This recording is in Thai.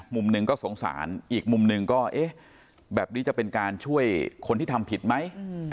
มุมหนึ่งก็สงสารอีกมุมหนึ่งก็เอ๊ะแบบนี้จะเป็นการช่วยคนที่ทำผิดไหม